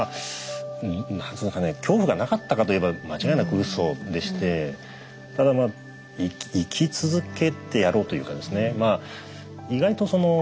なんつうのかな恐怖がなかったかといえば間違いなく嘘でしてただ生き続けてやろうというかですね。